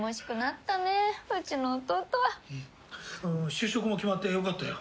就職も決まってよかったよ。